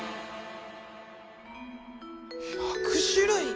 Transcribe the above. １００種類。